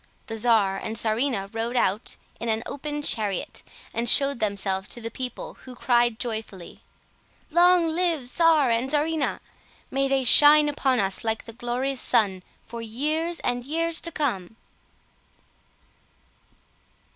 The czar and czarina rode out in an open chariot and showed themselves to the people, who cried joyfully— "Long live czar and czarina! May they shine upon us like the glorious sun for years and years to come!"